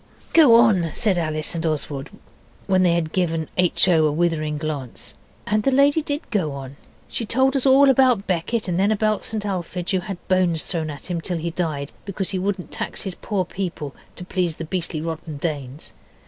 'Go on,' said Alice and Oswald, when they had given H. O. a withering glance. And the lady did go on. She told us all about Becket, and then about St Alphege, who had bones thrown at him till he died, because he wouldn't tax his poor people to please the beastly rotten Danes.